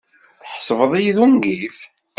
Tḥesbeḍ-iyi d ungif?